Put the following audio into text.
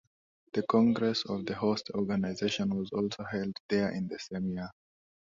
The congress of the host organisation was also held there in the same year.